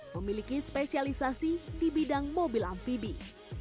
memiliki spesialisasi di bidang mobil amfibi